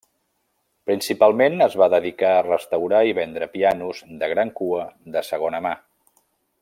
Principalment es va dedicar a restaurar i vendre pianos de gran cua de segona mà.